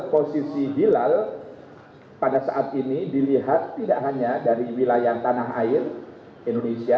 posisi hilal pada saat ini dilihat tidak hanya dari wilayah tanah air indonesia